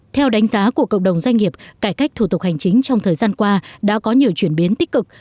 theo đánh giá của cộng đồng doanh nghiệp cải cách thủ tục hành chính trong thời gian qua đã có nhiều chuyển biến tích cực